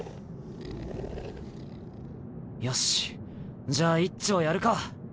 よしじゃあ一丁やるか。